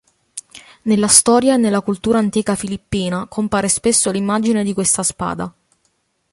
Nella storia e nella cultura antica filippina compare spesso l'immagine di questa spada.